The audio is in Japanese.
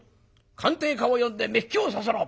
鑑定家を呼んで目利きをさせろ！」。